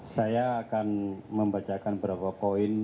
saya akan membacakan beberapa poin